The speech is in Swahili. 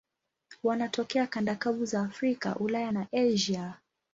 Wanatokea kanda kavu za Afrika, Ulaya na Asia.